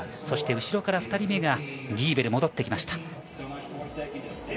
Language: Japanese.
そして後ろから２人目がリーベル、戻ってきました。